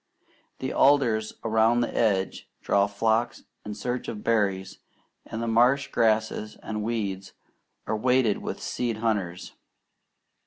The alders around the edge draw flocks in search of berries, and the marsh grasses and weeds are weighted with seed hunters.